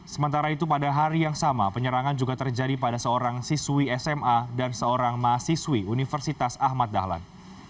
sementara itu pada hari yang sama penyerangan juga terjadi pada seorang siswi sma dan seorang mahasiswi universitas ahmad dahlan